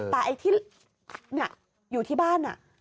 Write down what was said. แต่ไอ้ที่นี่อยู่ที่บ้านน่ะ